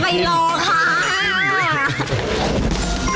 ไปลองค่ะ